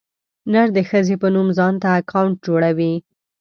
نر د ښځې په نوم ځانته اکاونټ جوړوي.